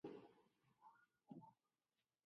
Je klo.